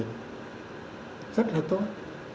rất là tốt